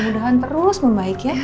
mudah mudahan terus membaik ya